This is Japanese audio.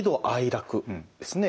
楽ですね